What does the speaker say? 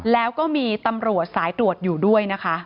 แล้วก็มีตำรวจสายตรวจอยู่ด้วยนะคะ